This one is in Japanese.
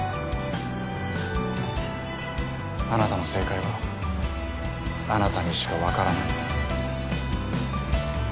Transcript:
あなたの正解はあなたにしかわからない。